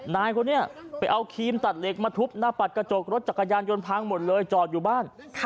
นายคนนี้ไปเอาครีมตัดเหล็กมาทุบหน้าปัดกระจกรถจักรยานยนต์พังหมดเลยจอดอยู่บ้าน